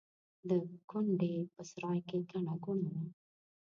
د کونډې په سرای کې ګڼه ګوڼه وه.